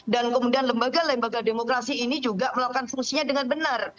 dan kemudian lembaga lembaga demokrasi ini juga melakukan fungsinya dengan benar